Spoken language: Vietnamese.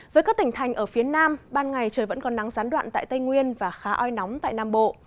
với các tỉnh thành ở phía nam ban ngày trời vẫn còn nắng gián đoạn tại tây nguyên và khá oi nóng tại nam bộ